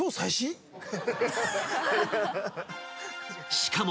［しかも］